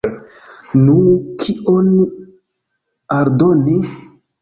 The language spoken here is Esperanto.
Nu, kion aldoni?